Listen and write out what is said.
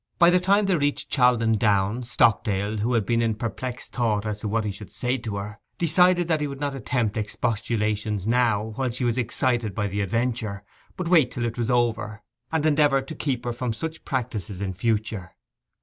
By the time they reached Chaldon Down, Stockdale, who had been in perplexed thought as to what he should say to her, decided that he would not attempt expostulation now, while she was excited by the adventure, but wait till it was over, and endeavour to keep her from such practices in future.